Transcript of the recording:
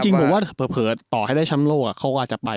จริงผมว่าเผลอต่อให้ได้แชมป์โลกเขาก็อาจจะไป